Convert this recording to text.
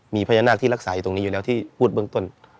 มีพญานาคที่รักษาอยู่ตรงนี้อยู่แล้วที่พูดเบื้องต้น